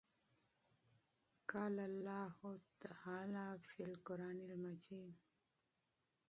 قال الله تبارك وتعالى فى القران المجيد: